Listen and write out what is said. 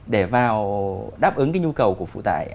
để vào đáp ứng cái nhu cầu của phụ tải